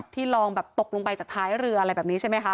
ลองแบบตกลงไปจากท้ายเรืออะไรแบบนี้ใช่ไหมคะ